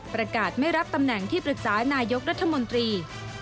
ประกาศไม่รับตำแหน่งที่ปรึกษานายกรัฐมนตรี